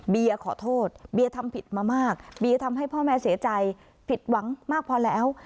ขอโทษเบียร์ทำผิดมามากเบียทำให้พ่อแม่เสียใจผิดหวังมากพอแล้ว